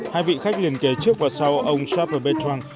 hai vị khách liên kế trước và sau ông charles bertrand